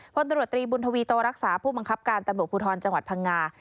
พลตำรวจตรีบุญทวีตวรักษาผู้บังคับการตำรวจภูทรจังหวัดพังงา